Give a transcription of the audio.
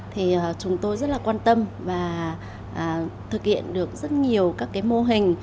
thì chúng tôi rất là quan tâm và thực hiện được rất nhiều các cái mô hình